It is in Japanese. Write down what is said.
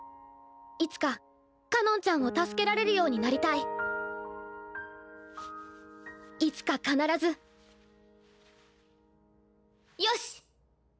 いつかかのんちゃんを助けられるようになりたいいつか必ずよし！